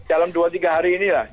dalam dua tiga hari ini lah